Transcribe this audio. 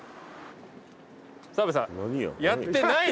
澤部さん。